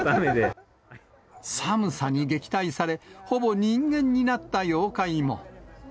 寒さに撃退され、ほぼ人間になった妖怪も。